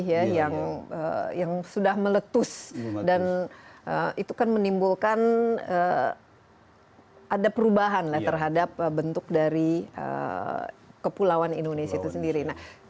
ya yang sudah meletus dan itu kan menimbulkan ada perubahan lah terhadap bentuk dari kepulauan indonesia itu sendiri